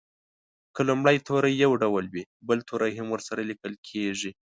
که لومړی توری یو ډول وي بل توری هم ورسره لیکل کیږي.